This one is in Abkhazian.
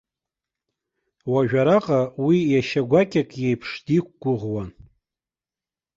Уажә араҟа уи иашьа гәакьак иеиԥш диқәгәыӷуан.